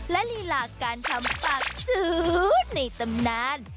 และลีลาการทำปากจืดในตำนาน